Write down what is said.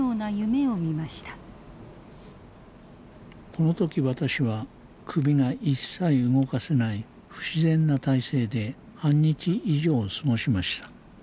この時私は首が一切動かせない不自然な体勢で半日以上を過ごしました。